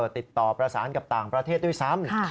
ติดต่อประสานกับต่างประเทศด้วยซ้ำ